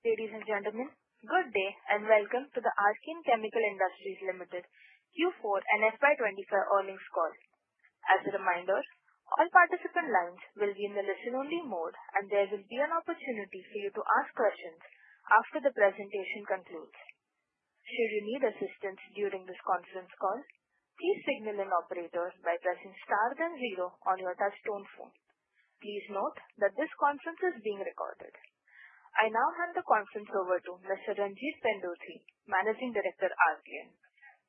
Ladies and gentlemen, good day and welcome to the Archean Chemical Industries Limited Q4 and FY2025 Earnings Call. As a reminder, all participant lines will be in the listen-only mode, and there will be an opportunity for you to ask questions after the presentation concludes. Should you need assistance during this conference call, please signal an operator by pressing star then zero on your touch-tone phone. Please note that this conference is being recorded. I now hand the conference over to Mr. Ranjit Pendurthi, Managing Director, Archean.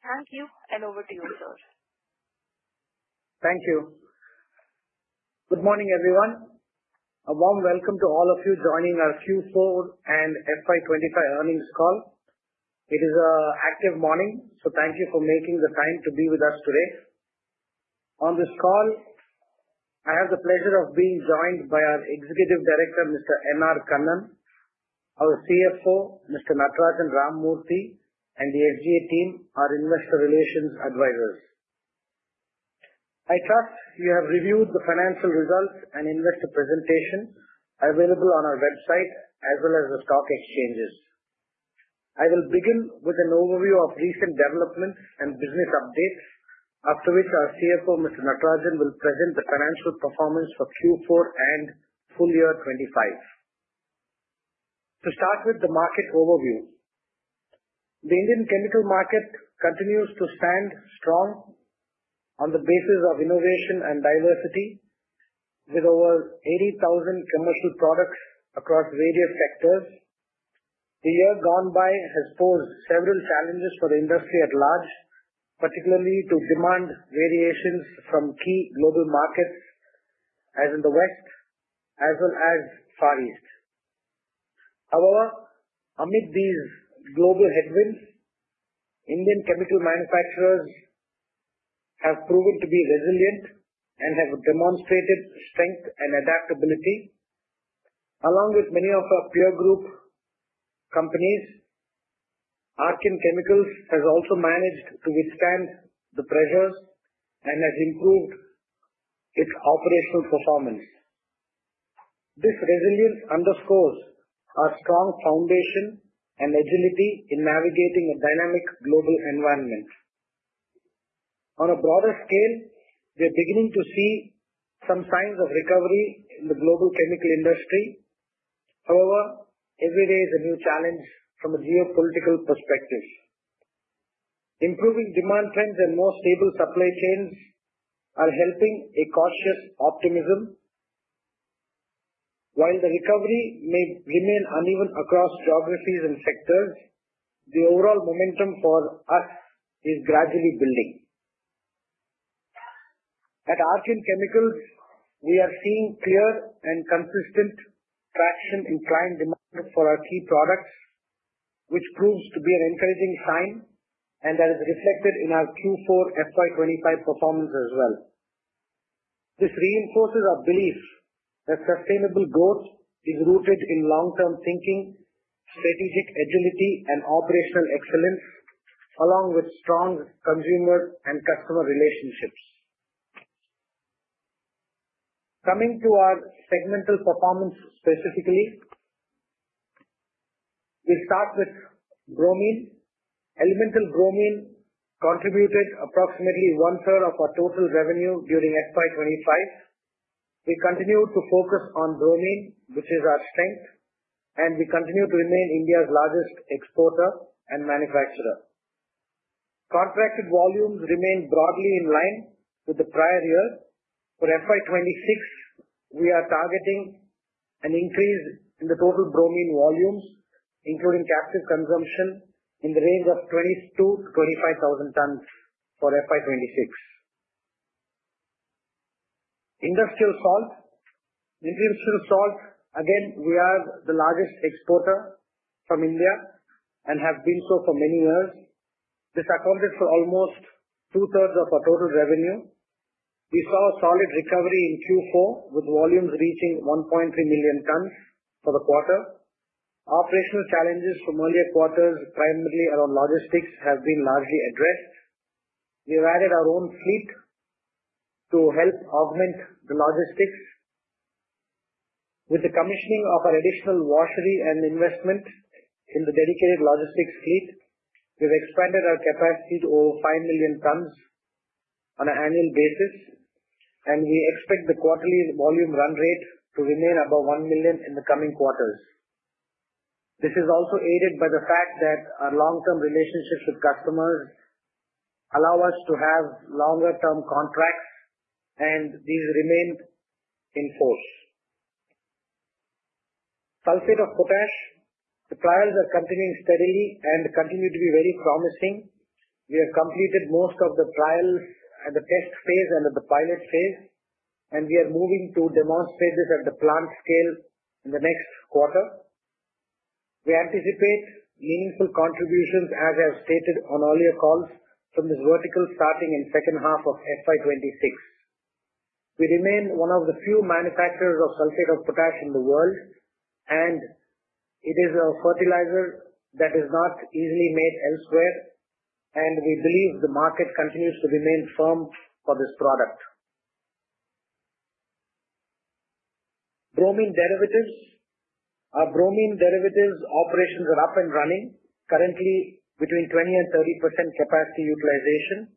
Thank you, and over to you, sir. Thank you. Good morning, everyone. A warm welcome to all of you joining our Q4 and FY2025 earnings call. It is an active morning, so thank you for making the time to be with us today. On this call, I have the pleasure of being joined by our Executive Director, Mr. N R Kannan, our CFO, Mr. Natarajan Ramamurthy, and the SGA team, our investor relations advisors. I trust you have reviewed the financial results and investor presentation available on our website as well as the stock exchanges. I will begin with an overview of recent developments and business updates, after which our CFO, Mr. Natarajan, will present the financial performance for Q4 and full year 2025. To start with the market overview, the Indian chemical market continues to stand strong on the basis of innovation and diversity, with over 80,000 commercial products across various sectors. The year gone by has posed several challenges for the industry at large, particularly due to demand variations from key global markets as in West Asia as well as Far East. However, amid these global headwinds, Indian chemical manufacturers have proven to be resilient and have demonstrated strength and adaptability. Along with many of our peer group companies, Archean Chemical has also managed to withstand the pressures and has improved its operational performance. This resilience underscores our strong foundation and agility in navigating a dynamic global environment. On a broader scale, we are beginning to see some signs of recovery in the global chemical industry. However, every day is a new challenge from a geopolitical perspective. Improving demand trends and more stable supply chains are helping a cautious optimism. While the recovery may remain uneven across geographies and sectors, the overall momentum for us is gradually building. At Archean Chemicals, we are seeing clear and consistent traction in client demand for our key products, which proves to be an encouraging sign and that is reflected in our Q4 FY2025 performance as well. This reinforces our belief that sustainable growth is rooted in long-term thinking, strategic agility, and operational excellence, along with strong consumer and customer relationships. Coming to our segmental performance specifically, we'll start with bromine. Elemental bromine contributed approximately one-third of our total revenue during FY2025. We continue to focus on bromine, which is our strength, and we continue to remain India's largest exporter and manufacturer. Contracted volumes remain broadly in line with the prior year. For FY2026, we are targeting an increase in the total bromine volumes, including captive consumption, in the range of 22,000-25,000 tons for FY2026. Industrial salt. Industrial salt, again, we are the largest exporter from India and have been so for many years. This accounted for almost two-thirds of our total revenue. We saw a solid recovery in Q4, with volumes reaching 1.3 million tons for the quarter. Operational challenges from earlier quarters, primarily around logistics, have been largely addressed. We have added our own fleet to help augment the logistics. With the commissioning of our additional washery and investment in the dedicated logistics fleet, we've expanded our capacity to over 5 million tons on an annual basis, and we expect the quarterly volume run rate to remain above 1 million in the coming quarters. This is also aided by the fact that our long-term relationships with customers allow us to have longer-term contracts, and these remain in force. Sulfate of potash. The trials are continuing steadily and continue to be very promising. We have completed most of the trials at the test phase and at the pilot phase, and we are moving to demonstrate this at the plant scale in the next quarter. We anticipate meaningful contributions, as I've stated on earlier calls, from this vertical starting in the second half of FY2026. We remain one of the few manufacturers of sulfate of potash in the world, and it is a fertilizer that is not easily made elsewhere, and we believe the market continues to remain firm for this product. Bromine derivatives. Our bromine derivatives operations are up and running, currently between 20%-30% capacity utilization.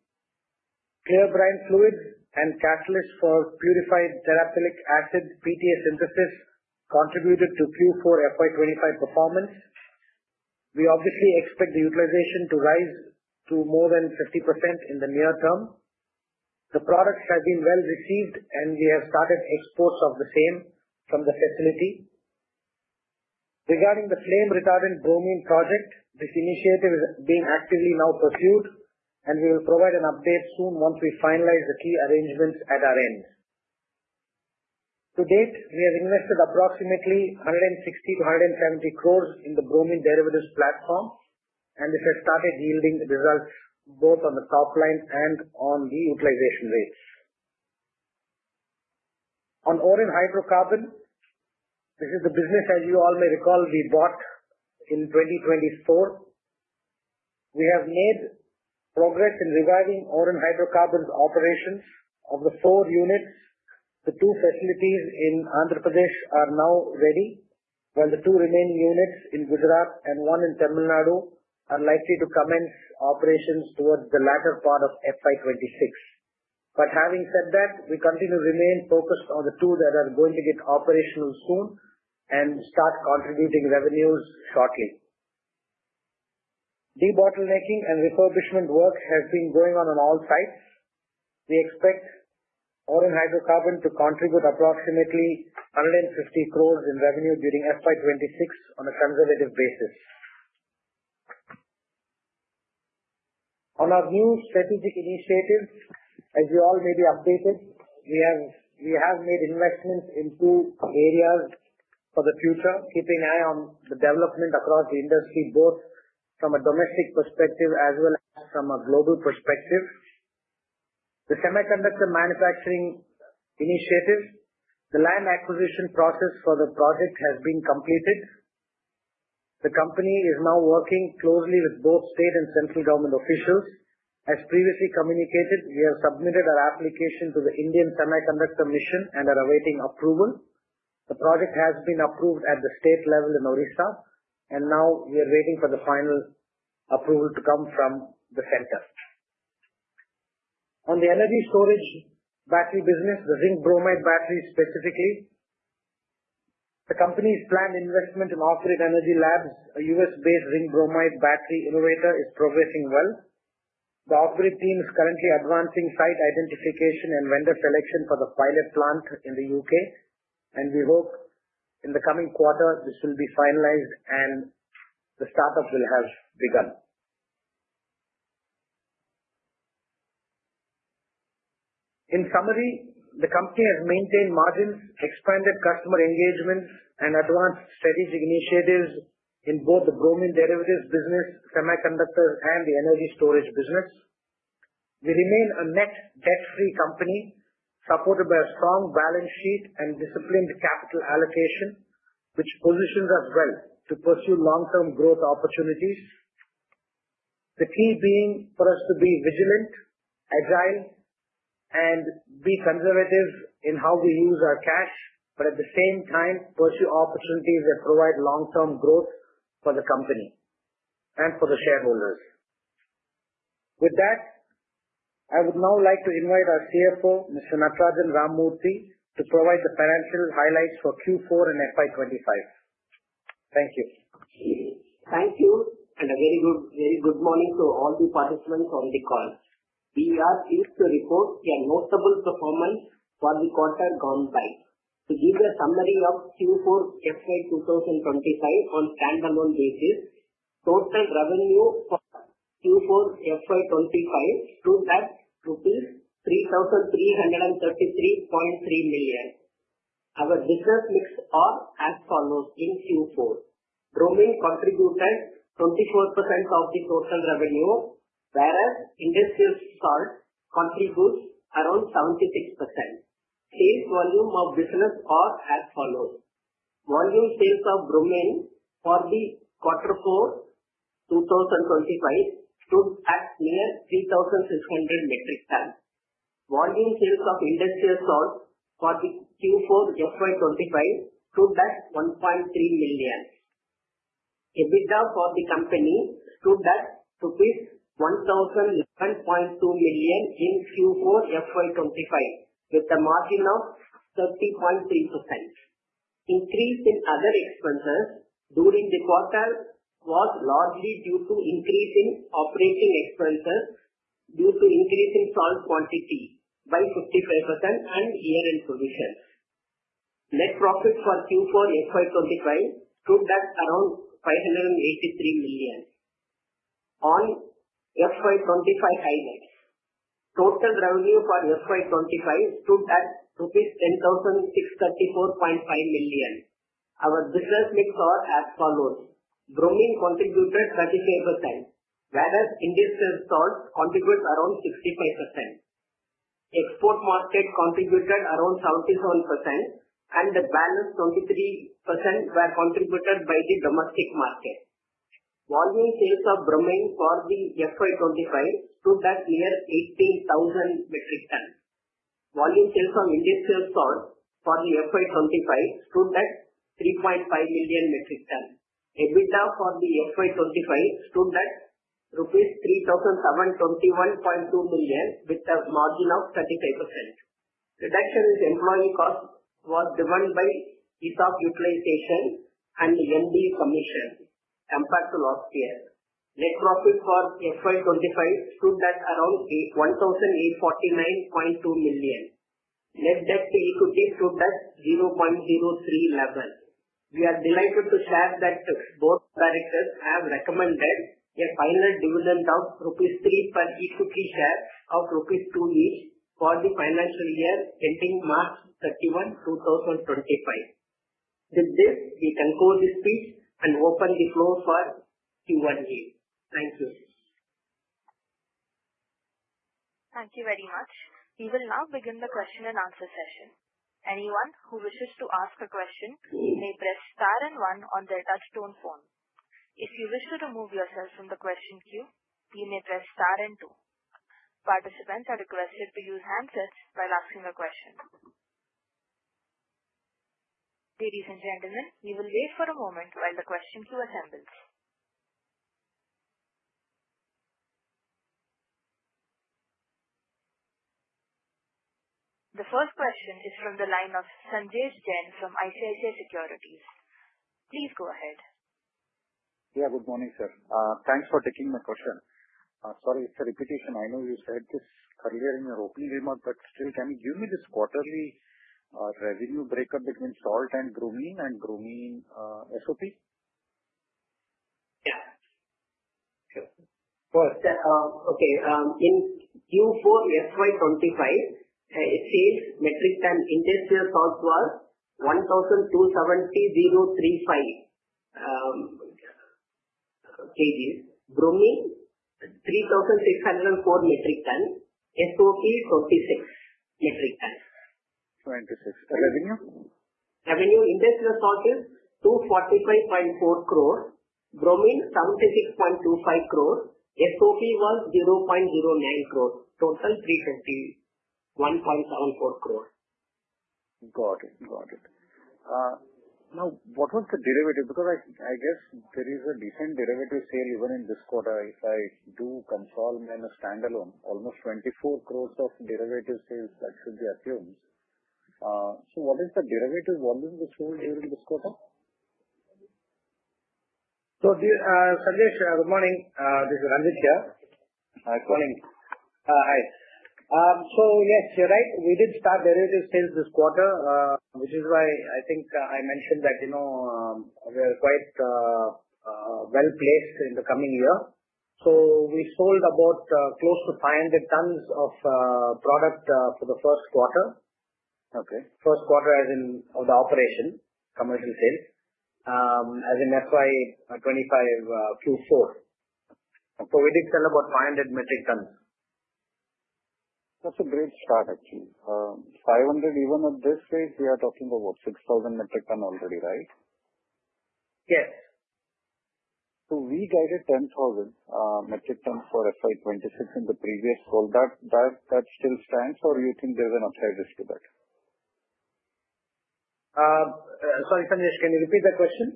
Clear brine fluids and catalysts for purified terephthalic acid PTA synthesis contributed to Q4 FY2025 performance. We obviously expect the utilization to rise to more than 50% in the near term. The products have been well received, and we have started exports of the same from the facility. Regarding the flame retardant bromine project, this initiative is being actively now pursued, and we will provide an update soon once we finalize the key arrangements at our end. To date, we have invested approximately 160 crores-170 crores in the bromine derivatives platform, and this has started yielding results both on the top line and on the utilization rates. On Oren Hydrocarbons, this is the business, as you all may recall, we bought in 2024. We have made progress in reviving Oren Hydrocarbons operations of the four units. The two facilities in Andhra Pradesh are now ready, while the two remaining units in Gujarat and one in Tamil Nadu are likely to commence operations towards the latter part of FY2026. But having said that, we continue to remain focused on the two that are going to get operational soon and start contributing revenues shortly. Debottlenecking and refurbishment work has been going on all sides. We expect Oren Hydrocarbons to contribute approximately 150 crores in revenue during FY2026 on a conservative basis. On our new strategic initiatives, as you all may be updated, we have made investments in two areas for the future, keeping eye on the development across the industry, both from a domestic perspective as well as from a global perspective. The semiconductor manufacturing initiative, the land acquisition process for the project has been completed. The company is now working closely with both state and central government officials. As previously communicated, we have submitted our application to the Indian Semiconductor Mission and are awaiting approval. The project has been approved at the state level in Odisha, and now we are waiting for the final approval to come from the center. On the energy storage battery business, the zinc bromide battery specifically, the company's planned investment in Offgrid Energy Labs, a U.S.-based zinc bromide battery innovator, is progressing well. The Offgrid team is currently advancing site identification and vendor selection for the pilot plant in the U.K., and we hope in the coming quarter this will be finalized and the startup will have begun. In summary, the company has maintained margins, expanded customer engagements, and advanced strategic initiatives in both the bromine derivatives business, semiconductors, and the energy storage business. We remain a net debt-free company supported by a strong balance sheet and disciplined capital allocation, which positions us well to pursue long-term growth opportunities. The key being for us to be vigilant, agile, and be conservative in how we use our cash, but at the same time pursue opportunities that provide long-term growth for the company and for the shareholders. With that, I would now like to invite our CFO, Mr. Natarajan Ramamurthy, to provide the financial highlights for Q4 and FY2025. Thank you. Thank you, and a very good morning to all the participants on the call. We are pleased to report a notable performance for the quarter gone by. To give a summary of Q4 FY2025 on a standalone basis, total revenue for Q4 FY2025 stood at INR 3,333.3 million. Our business mix was as follows in Q4: bromine contributed 24% of the total revenue, whereas industrial salt contributes around 76%. Sales volume of business was as follows: volume sales of bromine for the quarter four, 2025, stood at near 3,600 metric tons. Volume sales of industrial salt for the Q4 FY2025 stood at 1.3 million. EBITDA for the company stood at 1,011.2 million in Q4 FY2025, with a margin of 30.3%. Increase in other expenses during the quarter was largely due to increase in operating expenses due to increase in salt quantity by 55% and year-end positions. Net profit for Q4 FY2025 stood at around INR 583 million. On FY2025 highlights, total revenue for FY2025 stood at rupees 10,634.5 million. Our business mix was as follows: bromine contributed 35%, whereas industrial salt contributes around 65%. Export market contributed around 77%, and the balance 23% were contributed by the domestic market. Volume sales of bromine for the FY2025 stood at near 18,000 metric tons. Volume sales of industrial salt for the FY2025 stood at 3.5 million metric tons. EBITDA for the FY2025 stood at INR 3,721.2 million, with a margin of 35%. Reduction in employee cost was driven by use of utilization and the NED commission compared to last year. Net profit for FY2025 stood at around INR 1,849.2 million. Net debt-to-equity stood at 0.03 level. We are delighted to share that both directors have recommended a final dividend of 3 rupees per equity share of 2 rupees each for the financial year ending March 31st, 2025. With this, we conclude this speech and open the floor for Q1 meeting. Thank you. Thank you very much. We will now begin the question-and-answer session. Anyone who wishes to ask a question may press star and one on their touch-tone phone. If you wish to remove yourself from the question queue, you may press star and two. Participants are requested to use handsets while asking a question. Ladies and gentlemen, we will wait for a moment while the question queue assembles. The first question is from the line of Sanjesh Jain from ICICI Securities. Please go ahead. Yeah, good morning, sir. Thanks for taking my question. Sorry for the repetition. I know you said this earlier in your opening remark, but still, can you give me this quarterly revenue breakup between salt and bromine and bromine SOP? Yeah. Okay. In Q4 FY2025, sales metric ton industrial salt was 1,270.035 kg, bromine 3,604 metric tons, SOP 46 metric tons. 26. Revenue? Revenue, industrial salt is 245.4 crores, bromine 76.25 crores, SOP was 0.09 crores. Total 321.74 crores. Got it. Got it. Now, what was the derivative? Because I guess there is a decent derivative sale even in this quarter. If I do consult in a standalone, almost 24 crores of derivative sales that should be assumed. So what is the derivative volume that's sold during this quarter? Sanjesh, good morning. This is Ranjit here. Hi, Sir. Morning. Hi. So yes, you're right. We did start derivative sales this quarter, which is why I think I mentioned that we are quite well placed in the coming year. So we sold about close to 500 tons of product for the Q1. Okay. Q1, as in, of the operation, commercial sales, as in FY25 Q4. So we did sell about 500 metric tons. That's a great start, actually. 500, even at this rate, we are talking about 6,000 metric tons already, right? Yes. So we guided 10,000 metric tons for FY2026 in the previous call. That still stands, or do you think there's an upside risk to that? Sorry, Sanjesh, can you repeat that question?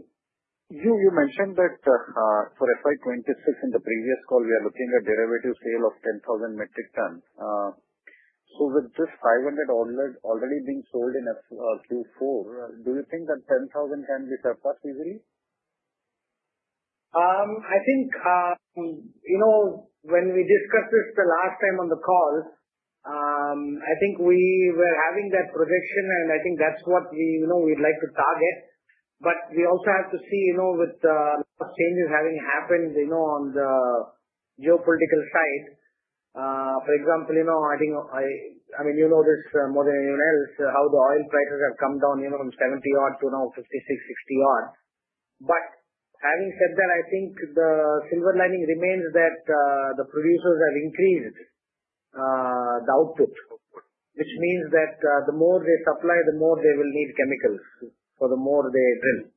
You mentioned that for FY2026 in the previous call, we are looking at derivative sale of 10,000 metric tons. So with this 500 already being sold in Q4, do you think that 10,000 can be surpassed easily? I think when we discussed this the last time on the call, I think we were having that projection, and I think that's what we'd like to target. But we also have to see with a lot of changes having happened on the geopolitical side. For example, I think, I mean, you know this more than anyone else, how the oil prices have come down from $70-odd to now $56-$60-odd. But having said that, I think the silver lining remains that the producers have increased the output, which means that the more they supply, the more they will need chemicals for the more they drill.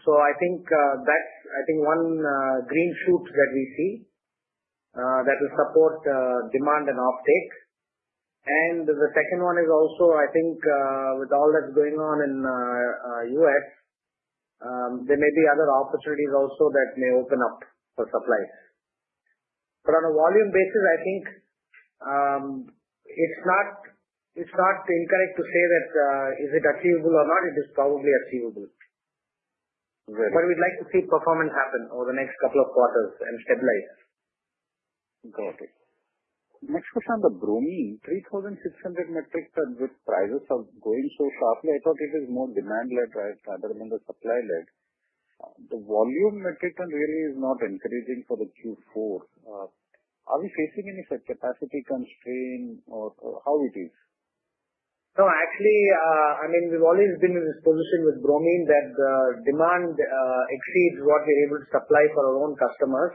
So I think that's, I think, one green shoot that we see that will support demand and offtake. And the second one is also, I think, with all that's going on in the U.S., there may be other opportunities also that may open up for suppliers. But on a volume basis, I think it's not incorrect to say that is it achievable or not. It is probably achievable. Very good. We'd like to see performance happen over the next couple of quarters and stabilize. Got it. Next question on the bromine, 3,600 metric tons with prices going so sharply, I thought it is more demand-led, rather than the supply-led. The volume metric ton really is not encouraging for the Q4. Are we facing any capacity constraint, or how it is? No, actually, I mean, we've always been in this position with bromine that the demand exceeds what we're able to supply for our own customers.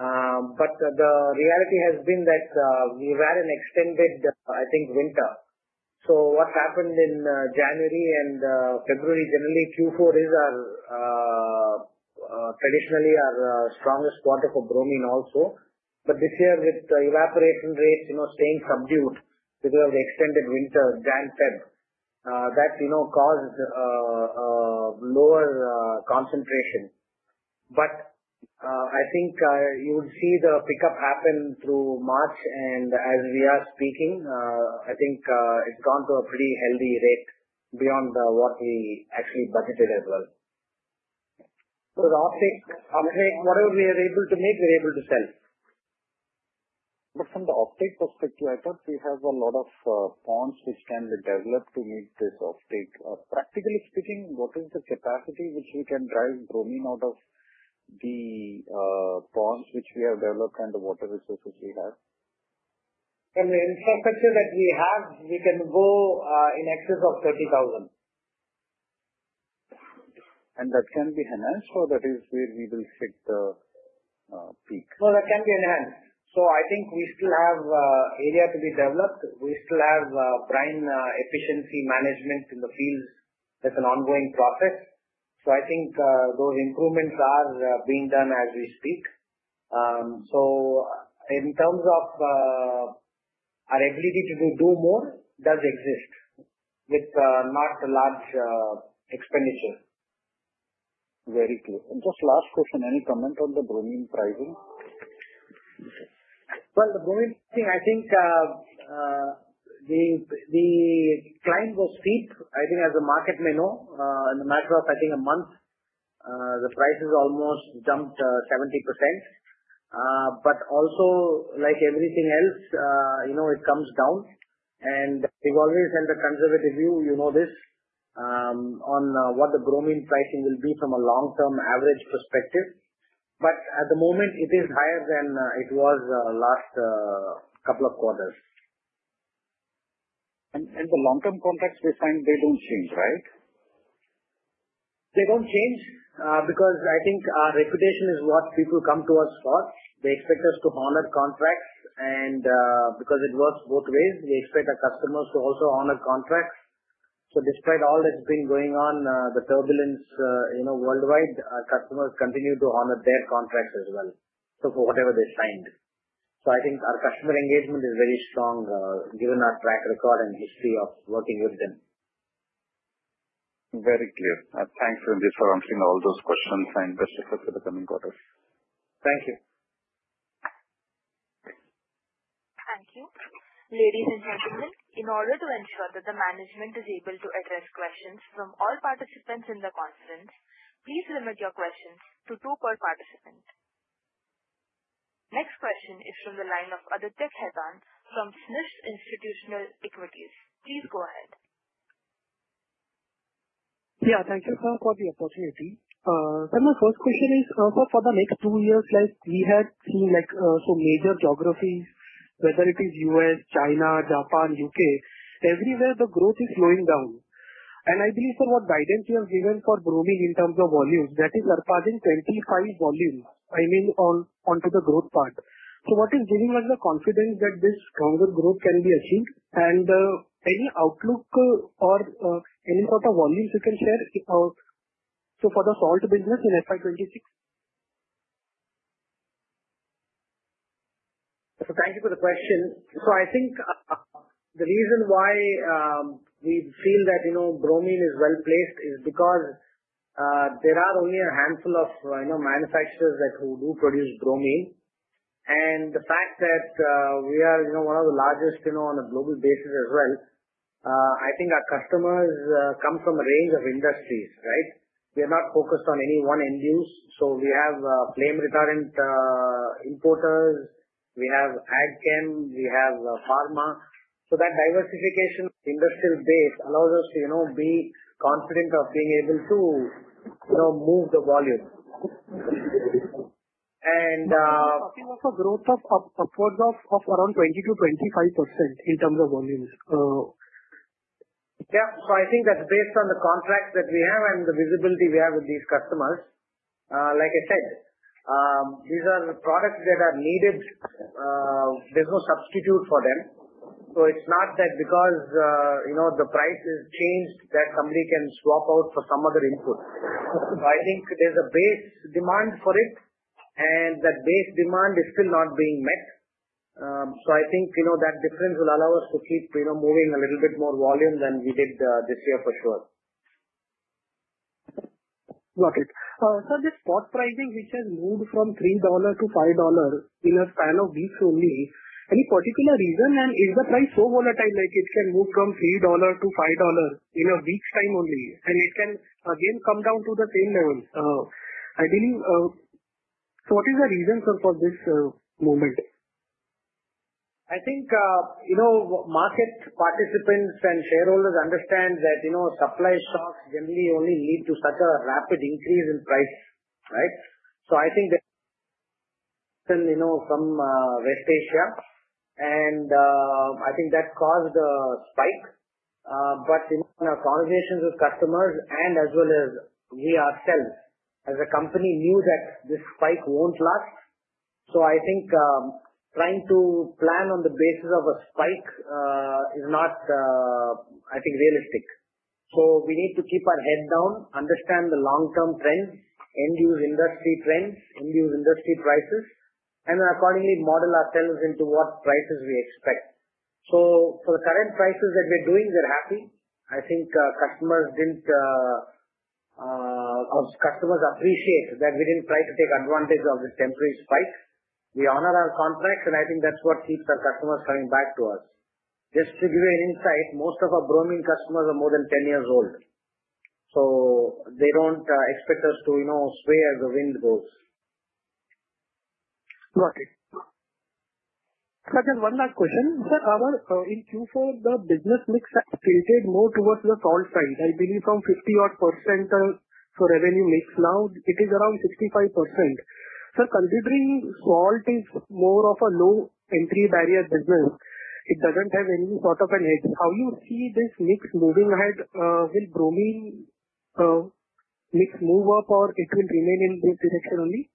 But the reality has been that we've had an extended, I think, winter. So what happened in January and February, generally, Q4 is traditionally our strongest quarter for bromine also. But this year, with the evaporation rates staying subdued because of the extended winter, January-February, that caused lower concentration. But I think you would see the pickup happen through March. And as we are speaking, I think it's gone to a pretty healthy rate beyond what we actually budgeted as well. So the offtake, whatever we are able to make, we're able to sell. But from the offtake perspective, I thought we have a lot of ponds which can be developed to meet this offtake. Practically speaking, what is the capacity which we can drive bromine out of the ponds which we have developed and the water resources we have? From the infrastructure that we have, we can go in excess of 30,000. That can be enhanced, or that is where we will hit the peak? No, that can be enhanced. So I think we still have area to be developed. We still have brine efficiency management in the fields. That's an ongoing process. So I think those improvements are being done as we speak. So in terms of our ability to do more, does exist with not a large expenditure. Very clear. And just last question, any comment on the Bromine pricing? The bromine, I think the climb was steep. I think as the market may know, in the matter of, I think, a month, the prices almost jumped 70%. But also, like everything else, it comes down. We've always held a conservative view, you know this, on what the bromine pricing will be from a long-term average perspective. At the moment, it is higher than it was last couple of quarters. The long-term contracts, they don't change, right? They don't change because I think our reputation is what people come to us for. They expect us to honor contracts. And because it works both ways, we expect our customers to also honor contracts. So despite all that's been going on, the turbulence worldwide, our customers continue to honor their contracts as well for whatever they signed. So I think our customer engagement is very strong given our track record and history of working with them. Very clear. Thanks for answering all those questions. And best of luck for the coming quarter. Thank you. Ladies and gentlemen, in order to ensure that the management is able to address questions from all participants in the conference, please limit your questions to two per participant. Next question is from the line of Aditya Khetan from SMIFS Institutional Equities. Please go ahead. Yeah, thank you for the opportunity. So my first question is, for the next two years, we had seen some major geographies, whether it is U.S., China, Japan, U.K., everywhere the growth is slowing down. And I believe for what guidance we have given for bromine in terms of volumes, that is surpassing 25 volumes, I mean, onto the growth part. So what is giving us the confidence that this stronger growth can be achieved? And any outlook or any sort of volumes you can share? So for the salt business in FY2026? Thank you for the question. I think the reason why we feel that bromine is well placed is because there are only a handful of manufacturers who do produce bromine. The fact that we are one of the largest on a global basis as well means our customers come from a range of industries, right? We are not focused on any one industry. We have flame retardant importers. We have ag chem. We have pharma. That diversified industrial base allows us to be confident of being able to move the volume. Talking about the growth of upwards of around 20%-25% in terms of volumes. Yeah. So I think that's based on the contracts that we have and the visibility we have with these customers. Like I said, these are products that are needed. There's no substitute for them. So it's not that because the price has changed that somebody can swap out for some other input. So I think there's a base demand for it, and that base demand is still not being met. So I think that difference will allow us to keep moving a little bit more volume than we did this year, for sure. Got it. So this spot pricing, which has moved from $3-$5 in a span of weeks only, any particular reason? And is the price so volatile that it can move from $3-$5 in a week's time only? And it can again come down to the same level. I believe so, what is the reason for this movement? I think market participants and shareholders understand that supply shocks generally only lead to such a rapid increase in price, right? So I think that from West Asia, and I think that caused a spike. But in our conversations with customers and as well as we ourselves as a company knew that this spike won't last. So I think trying to plan on the basis of a spike is not, I think, realistic. So we need to keep our head down, understand the long-term trends, end-use industry trends, end-use industry prices, and then accordingly model ourselves into what prices we expect. So for the current prices that we're doing, we're happy. I think customers didn't appreciate that we didn't try to take advantage of this temporary spike. We honor our contracts, and I think that's what keeps our customers coming back to us. Just to give you an insight, most of our bromine customers are more than 10 years old. So they don't expect us to sway as the wind goes. Got it. Second, one last question. In Q4, the business mix tilted more towards the salt side. I believe from 50-odd % for revenue mix now, it is around 65%. So considering salt is more of a low entry barrier business, it doesn't have any sort of an edge. How do you see this mix moving ahead? Will bromine mix move up, or it will remain in this direction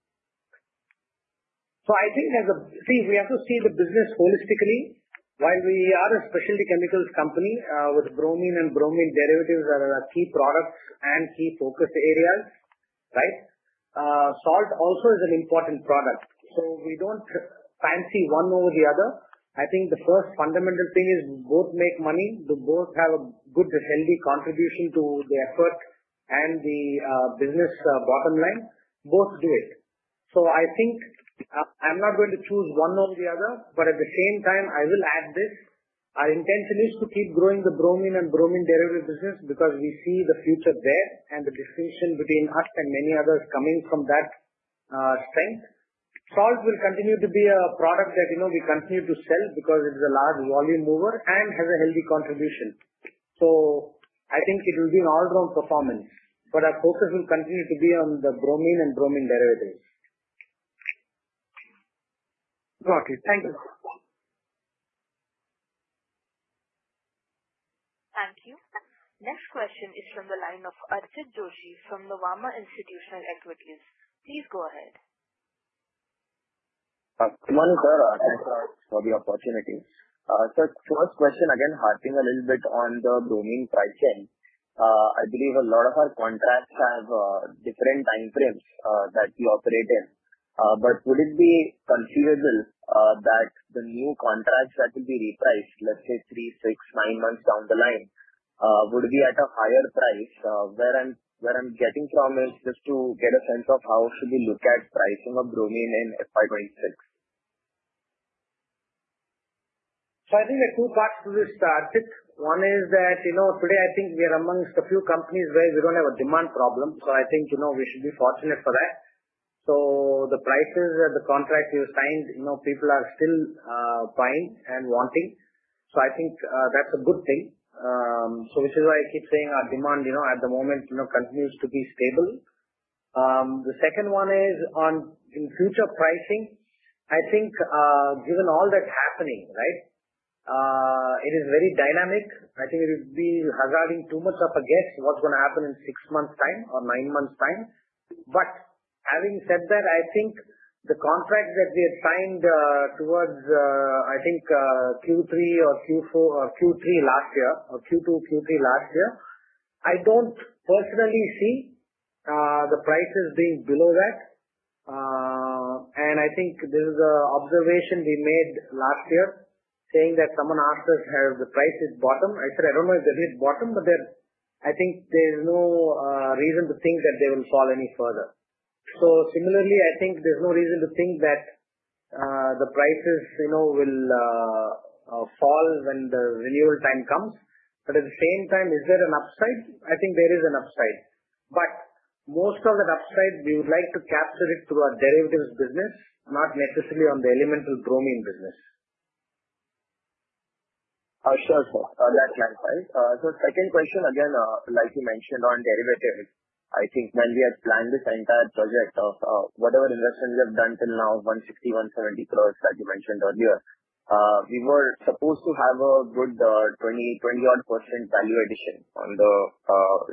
only? So I think, see, we have to see the business holistically. While we are a specialty chemicals company with bromine and bromine derivatives that are our key products and key focus areas, right? Salt also is an important product. So we don't fancy one over the other. I think the first fundamental thing is both make money, both have a good, healthy contribution to the EBITDA and the business bottom line. Both do it. So I think I'm not going to choose one over the other, but at the same time, I will add this. Our intention is to keep growing the bromine and bromine derivative business because we see the future there and the distinction between us and many others coming from that strength. Salt will continue to be a product that we continue to sell because it is a large volume mover and has a healthy contribution. So I think it will be an all-round performance. But our focus will continue to be on the bromine and bromine derivatives. Got it. Thank you. Thank you. Next question is from the line of Archit Joshi from Nuvama Institutional Equities. Please go ahead. Good morning, sir. Thanks for the opportunity. So first question, again, harping a little bit on the bromine price trend. I believe a lot of our contracts have different time frames that we operate in. But would it be conceivable that the new contracts that will be repriced, let's say three, six, nine months down the line, would be at a higher price? Where I'm getting from is just to get a sense of how should we look at pricing of bromine in FY2026? I think there are two parts to this, Archit. One is that today, I think we are amongst a few companies where we don't have a demand problem. I think we should be fortunate for that. The prices of the contracts we've signed, people are still buying and wanting. I think that's a good thing, which is why I keep saying our demand at the moment continues to be stable. The second one is on future pricing. I think given all that's happening, right, it is very dynamic. I think we'll be hazarding too much up against what's going to happen in six months' time or nine months' time. But having said that, I think the contract that we had signed towards, I think, Q3 or Q3 last year or Q2, Q3 last year, I don't personally see the prices being below that. I think this is an observation we made last year saying that someone asked us, "Have the prices bottomed?" I said, I don't know if they've hit bottom, but I think there's no reason to think that they will fall any further. Similarly, I think there's no reason to think that the prices will fall when the renewal time comes. At the same time, is there an upside? I think there is an upside. Most of that upside, we would like to capture it through our derivatives business, not necessarily on the elemental bromine business. Sure. That's my point. So second question, again, like you mentioned on derivatives, I think when we had planned this entire project of whatever investment we have done till now, 160 crores-170 crores that you mentioned earlier, we were supposed to have a good 20%-odd value addition on the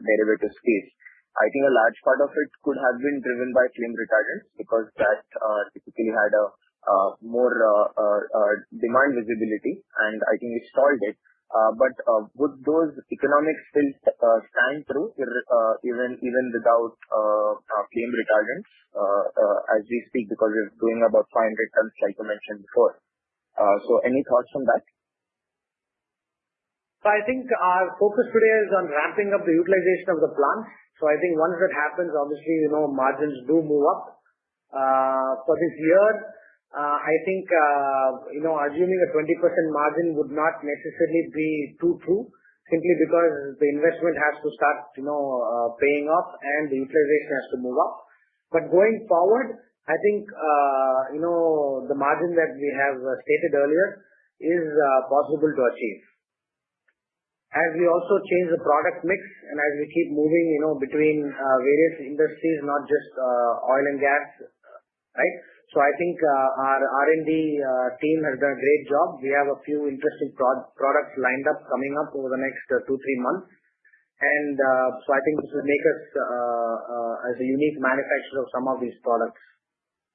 derivative space. I think a large part of it could have been driven by flame retardants because that typically had more demand visibility. And I think we stalled it. But would those economics still stand through even without flame retardants as we speak because we're doing about 500 tons, like you mentioned before? So any thoughts on that? So I think our focus today is on ramping up the utilization of the plants. So I think once that happens, obviously, margins do move up. For this year, I think assuming a 20% margin would not necessarily be too true simply because the investment has to start paying off and the utilization has to move up. But going forward, I think the margin that we have stated earlier is possible to achieve. As we also change the product mix and as we keep moving between various industries, not just oil and gas, right? So I think our R&D team has done a great job. We have a few interesting products lined up coming up over the next two, three months. And so I think this will make us as a unique manufacturer of some of these products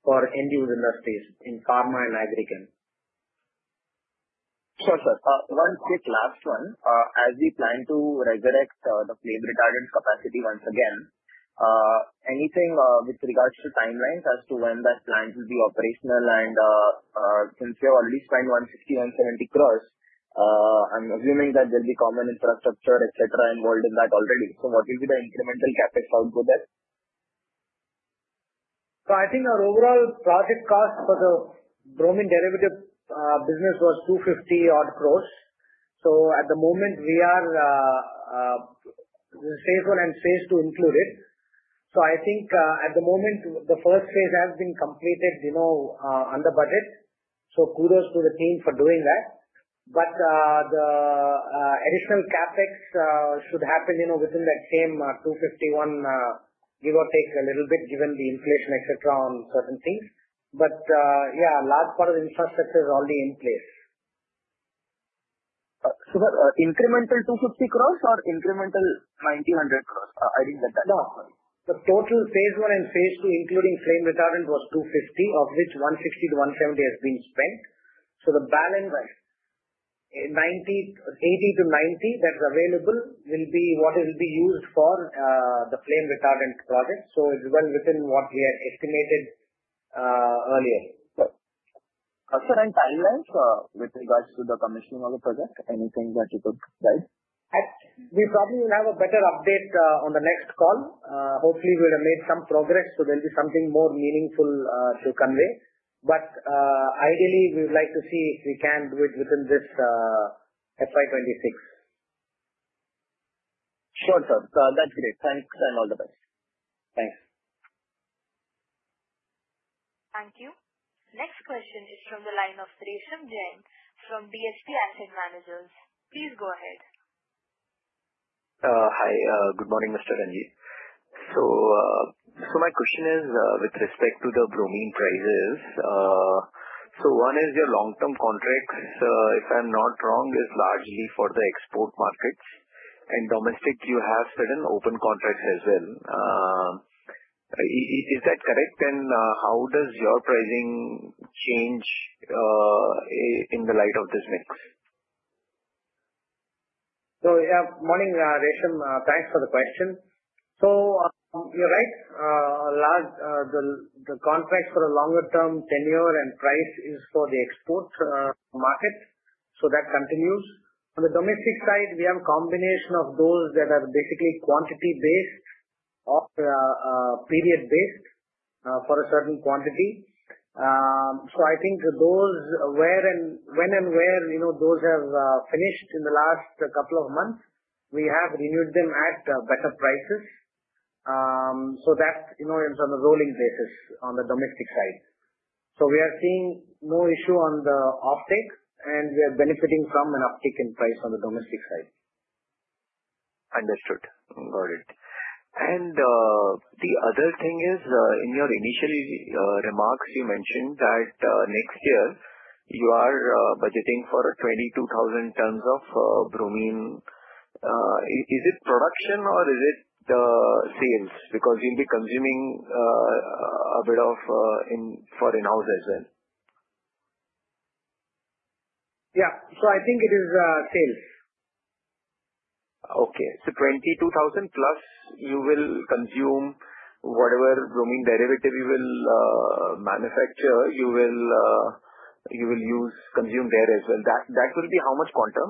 for end-use industries in pharma and agri-chem. Sure, sir. One quick last one. As we plan to resurrect the flame retardant capacity once again, anything with regards to timelines as to when that plant will be operational? And since we have already spent 160 crores-170 crores, I'm assuming that there'll be common infrastructure, etc., involved in that already. So what will be the incremental CapEx output there? So I think our overall project cost for the bromine derivative business was 250-odd crores. So at the moment, we are in the stage one and stage two included. So I think at the moment, the first phase has been completed under budget. So kudos to the team for doing that. But the additional CapEx should happen within that same 251, give or take a little bit given the inflation, etc., on certain things. But yeah, a large part of the infrastructure is already in place. So incremental 250 crores or incremental 90 crores-100 crores? I didn't get that. No. The total phase one and phase II, including flame retardant, was 250, of which 160-170 has been spent. So the balance, 80-90 that's available will be what it will be used for the flame retardant project. So it's well within what we had estimated earlier. Sure. And timelines with regards to the commissioning of the project? Anything that you could guide? We probably will have a better update on the next call. Hopefully, we'll have made some progress, so there'll be something more meaningful to convey. But ideally, we would like to see if we can do it within this FY2026. Sure, sir. That's great. Thanks. And all the best. Thanks. Thank you. Next question is from the line of Resham Jain from DSP Asset Managers. Please go ahead. Hi. Good morning, Mr. Ranjit. So my question is with respect to the bromine prices. So one is your long-term contracts, if I'm not wrong, is largely for the export markets. And domestic, you have certain open contracts as well. Is that correct? And how does your pricing change in the light of this mix? Yeah. Morning, Resham. Thanks for the question. You're right. The contracts for a longer-term tenure and price is for the export market. That continues. On the domestic side, we have a combination of those that are basically quantity-based or period-based for a certain quantity. I think when and where those have finished in the last couple of months, we have renewed them at better prices. That's on a rolling basis on the domestic side. We are seeing no issue on the offtake, and we are benefiting from an uptick in price on the domestic side. Understood. Got it. And the other thing is, in your initial remarks, you mentioned that next year, you are budgeting for 22,000 tons of bromine. Is it production or is it sales? Because you'll be consuming a bit for in-house as well. Yeah. So I think it is sales. Okay. So 22,000+, you will consume whatever bromine derivative you will manufacture, you will consume there as well. That will be how much quantum,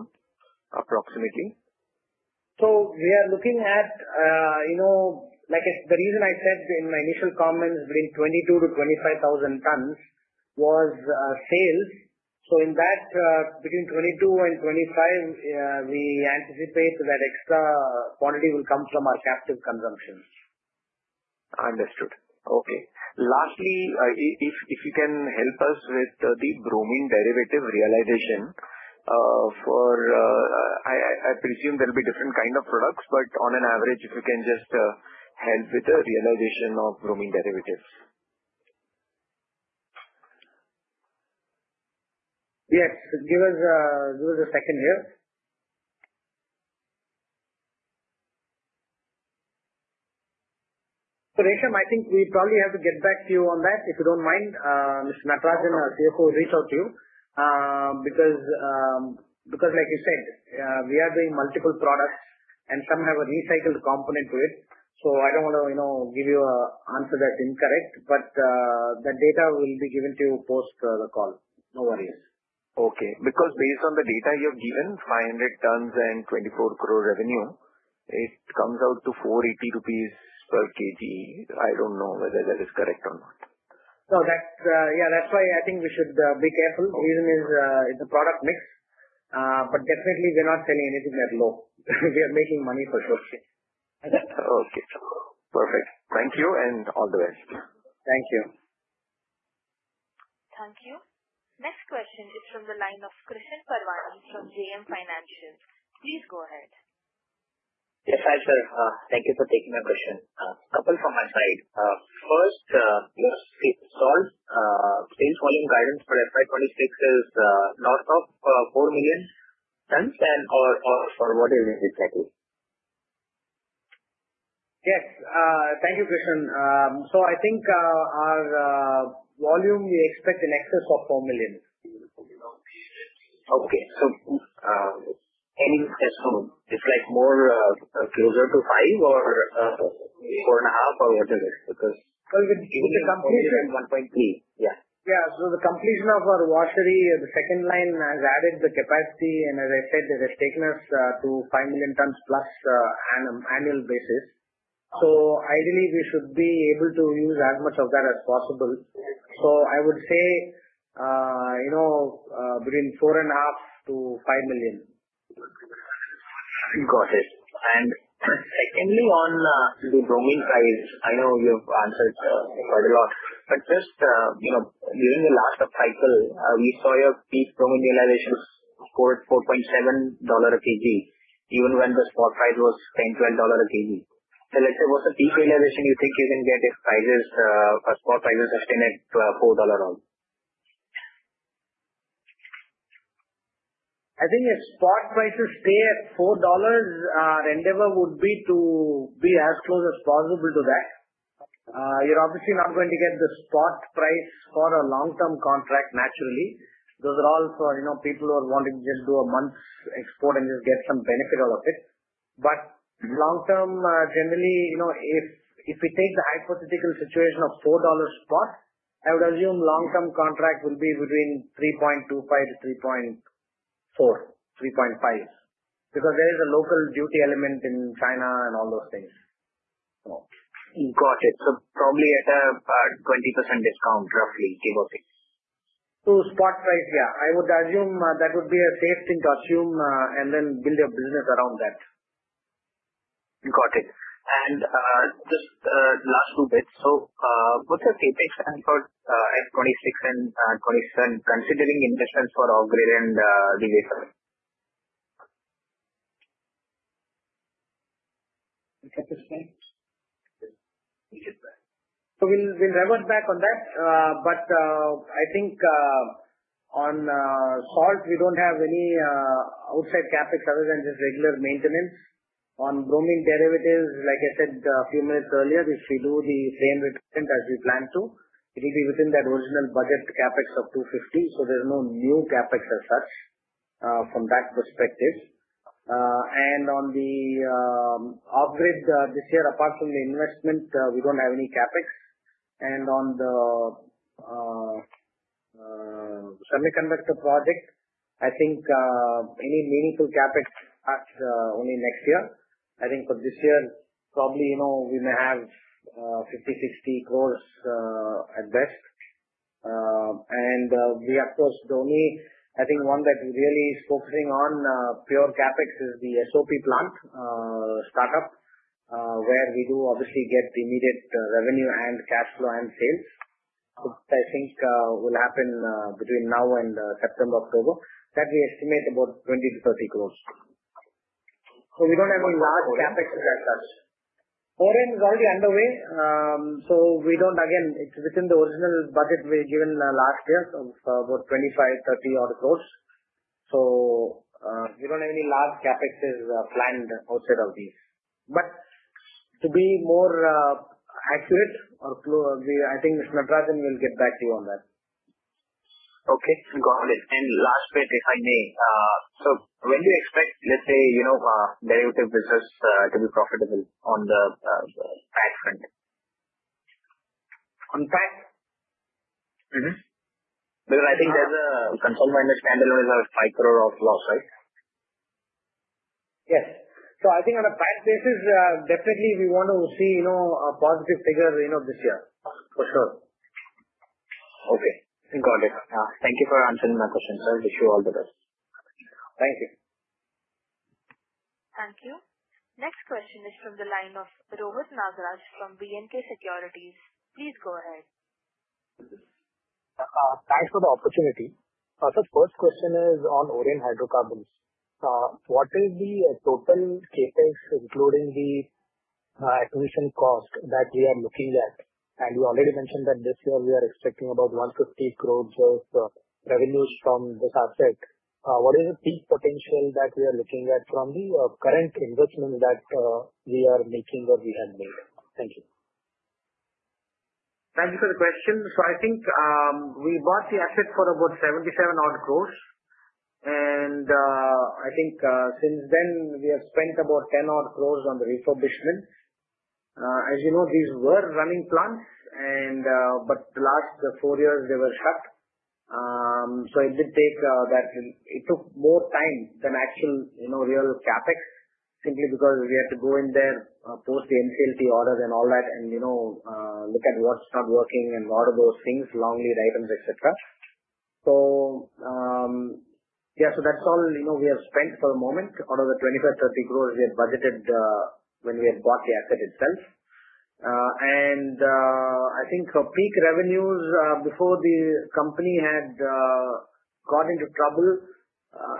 approximately? So we are looking at the reason I said in my initial comments between 22,000-25,000 tons was sales. So in that, between 22 and 25, we anticipate that extra quantity will come from our captive consumption. Understood. Okay. Lastly, if you can help us with the bromine derivative realization, for I presume there'll be different kinds of products, but on average, if you can just help with the realization of bromine derivatives. Yes. Give us a second here. So Resham, I think we probably have to get back to you on that. If you don't mind, Mr. Natarajan, our CFO, will reach out to you because, like you said, we are doing multiple products, and some have a recycled component to it. So I don't want to give you an answer that's incorrect. But the data will be given to you post the call. No worries. Okay. Because based on the data you have given, 500 tons and 24 crore revenue, it comes out to 480 rupees/kg. I don't know whether that is correct or not. Yeah, that's why I think we should be careful. The reason is the product mix. But definitely, we're not selling anything at low. We are making money for sure. Okay. Perfect. Thank you and all the best. Thank you. Thank you. Next question is from the line of Krishan Parwani from JM Financial. Please go ahead. Yes, hi, sir. Thank you for taking my question. A couple from my side. First, your sales volume guidance for FY2026 is north of 4 million tons or what is it exactly? Yes. Thank you, Krishan. So I think our volume, we expect an excess of four million. Okay. So any estimate? It's more closer to five or four and a half or whatever because even the completion is 1.3. Yeah. Yeah. So the completion of our washery, the second line, has added the capacity. And as I said, it has taken us to 5 million+ tons on an annual basis. So ideally, we should be able to use as much of that as possible. So I would say between 4.5 million-5 million tons. Got it. And secondly, on the bromine price, I know you've answered quite a lot. But just during the last cycle, we saw your peak bromine realization for $4.7 a kg, even when the spot price was $10, $12 a kg. So let's say what's the peak realization you think you can get if spot prices sustain at $4? I think if spot prices stay at $4, endeavor would be to be as close as possible to that. You're obviously not going to get the spot price for a long-term contract, naturally. Those are all for people who are wanting to just do a month's export and just get some benefit out of it. But long-term, generally, if we take the hypothetical situation of $4 spot, I would assume long-term contract will be between $3.25-$3.4, $3.5 because there is a local duty element in China and all those things. Got it. So probably at a 20% discount, roughly. Give or take. So spot price, yeah. I would assume that would be a safe thing to assume and then build your business around that. Got it. Just last two bits. What's your CapEx stand for FY2026 and FY2027, considering investments for upgrade and derivative? We'll revert back on that. But I think on salt, we don't have any outside CapEx other than just regular maintenance. On bromine derivatives, like I said a few minutes earlier, if we do the flame retardant as we plan to, it will be within that original budget CapEx of 250. So there's no new CapEx as such from that perspective. And on the upgrade this year, apart from the investment, we don't have any CapEx. And on the semiconductor project, I think any meaningful CapEx starts only next year. I think for this year, probably we may have 50 crores-60 crores at best. And we, of course, the only I think one that really is focusing on pure CapEx is the SOP plant startup, where we do obviously get the immediate revenue and cash flow and sales. So I think will happen between now and September, October, that we estimate about 20 crores-30 crores. So we don't have any large capexes as such. Oren is already underway. So we don't, again, it's within the original budget we've given last year of about 25 crores-30 crores. So we don't have any large capexes planned outside of these. But to be more accurate, I think Mr. Natarajan will get back to you on that. Okay. Got it. And last bit, if I may. So when do you expect, let's say, derivative business to be profitable on the PTA front? On PAT? Because I think there's a consultant manager scandal with 5 crore of loss, right? Yes. So I think on a PAT basis, definitely, we want to see a positive figure end of this year, for sure. Okay. Got it. Thank you for answering my question, sir. Wish you all the best. Thank you. Thank you. Next question is from the line of Rohit Nagraj from B&K Securities. Please go ahead. Thanks for the opportunity. So first question is on Oren Hydrocarbons. What is the total CapEx, including the acquisition cost, that we are looking at? And you already mentioned that this year, we are expecting about 150 crores of revenues from this asset. What is the peak potential that we are looking at from the current investment that we are making or we have made? Thank you. Thank you for the question. So I think we bought the asset for about 77 odd crores. And I think since then, we have spent about 10 odd crores on the refurbishment. As you know, these were running plants, but the last four years, they were shut. So it took more time than actual real CapEx, simply because we had to go in there, post the NCLT orders and all that, and look at what's not working and all of those things, long lead items, etc. So yeah, so that's all we have spent for the moment out of the 25 crores-30 crores we had budgeted when we had bought the asset itself. I think for peak revenues, before the company had got into trouble,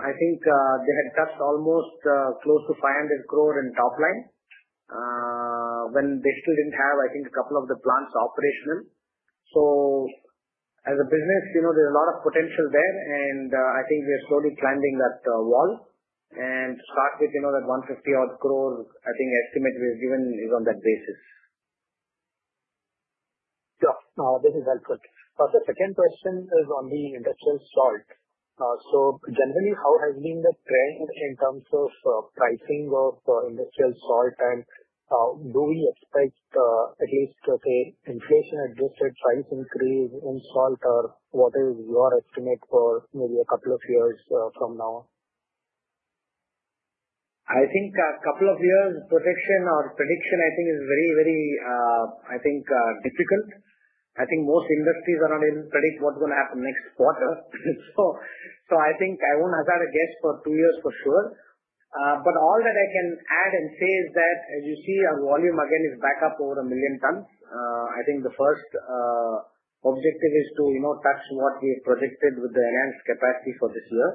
I think they had touched almost close to 500 crore in top line when they still didn't have, I think, a couple of the plants operational. As a business, there's a lot of potential there. I think we are slowly climbing that wall. To start with, that 150-odd crore, I think estimate we have given is on that basis. Yeah. This is helpful. The second question is on the industrial salt. So generally, how has been the trend in terms of pricing of industrial salt? And do we expect, at least, say, inflation-adjusted price increase in salt, or what is your estimate for maybe a couple of years from now? I think a couple of years' prediction or prediction, I think, is very, very, I think, difficult. I think most industries are not able to predict what's going to happen next quarter. So I think I won't have a guess for two years for sure. But all that I can add and say is that, as you see, our volume, again, is back up over a million tons. I think the first objective is to touch what we have projected with the enhanced capacity for this year.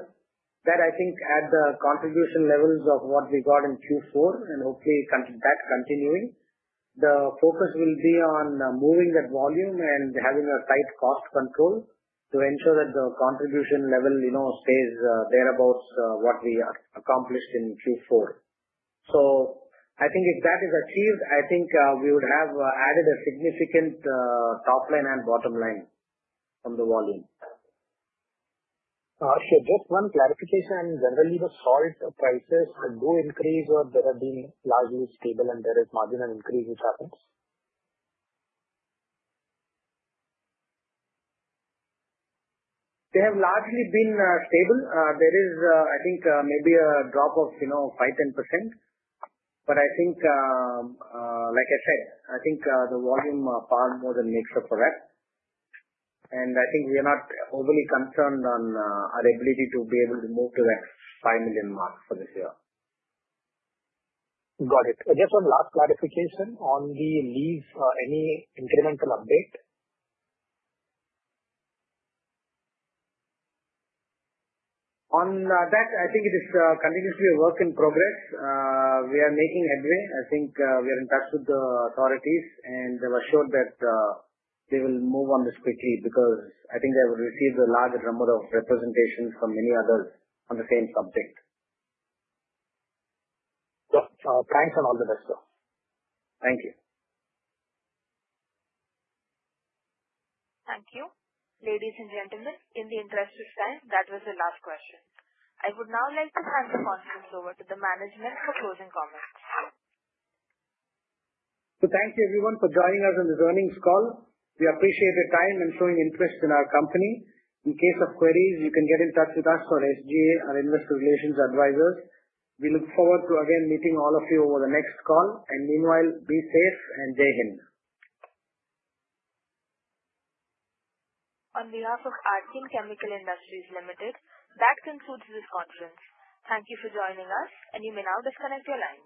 That, I think, adds the contribution levels of what we got in Q4, and hopefully that continuing. The focus will be on moving that volume and having a tight cost control to ensure that the contribution level stays thereabouts what we accomplished in Q4. So I think if that is achieved, I think we would have added a significant top line and bottom line from the volume. Just one clarification. Generally, the salt prices do increase, or they have been largely stable, and there is marginal increase which happens? They have largely been stable. There is, I think, maybe a drop of 5%-10%. But I think, like I said, I think the volume far more than makes up for that. And I think we are not overly concerned on our ability to be able to move to that 5 million mark for this year. Got it. Just one last clarification on the lease. Any incremental update? On that, I think it is continuously a work in progress. We are making headway. I think we are in touch with the authorities, and they were assured that they will move on this quickly because I think they will receive a large number of representations from many others on the same subject. Thanks and all the best, sir. Thank you. Thank you. Ladies and gentlemen, in the interest of time, that was the last question. I would now like to hand the conference over to the management for closing comments. So thank you, everyone, for joining us on this earnings call. We appreciate your time and showing interest in our company. In case of queries, you can get in touch with us or SGA, our investor relations advisors. We look forward to, again, meeting all of you over the next call. And meanwhile, be safe, and Jai Hind. On behalf of Archean Chemical Industries Limited, that concludes this conference. Thank you for joining us, and you may now disconnect your line.